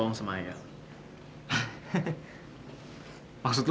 yang penting itu saya dan kalo niasia